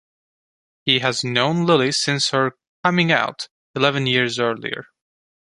He has known Lily since her "coming out" eleven years earlier.